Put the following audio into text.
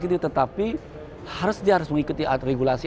tetapi harus mengikuti regulasi